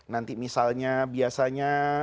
nanti misalnya biasanya